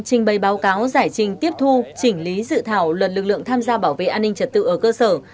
trình bày báo cáo giải trình tiếp thu chỉnh lý dự thảo luật lực lượng tham gia bảo vệ an ninh trật tự ở cơ sở